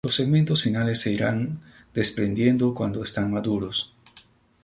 Los segmentos finales se irán desprendiendo cuando están maduros.